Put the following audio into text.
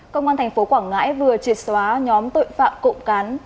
công an thành phố quảng ngãi vừa triệt xóa nhóm tội phạm cộng cán